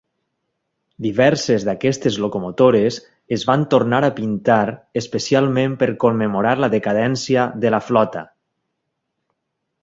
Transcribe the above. Diverses d'aquestes locomotores es van tornar a pintar especialment per commemorar la decadència de la flota.